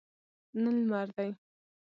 نن لمر دی